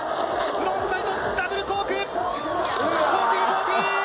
フロントサイドダブルコーク１４４０。